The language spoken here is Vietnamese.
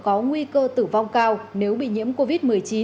có nguy cơ tử vong cao nếu bị nhiễm covid một mươi chín